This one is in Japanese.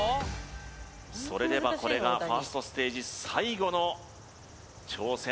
それではこれがファーストステージ最後の挑戦